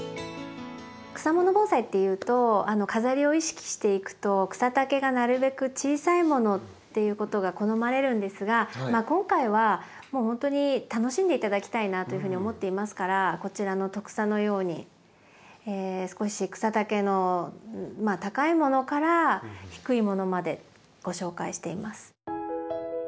草もの盆栽っていうと飾りを意識していくと草丈がなるべく小さいものっていうことが好まれるんですが今回はもうほんとに楽しんで頂きたいなというふうに思っていますからこちらのトクサのように少し草丈の高いものから低いものまでご紹介しています。